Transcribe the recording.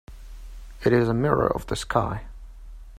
It is a mirror of the sky.